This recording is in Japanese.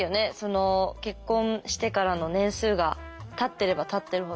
結婚してからの年数がたってればたってるほど。